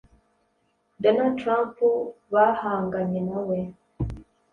Donald Trump bahanganye we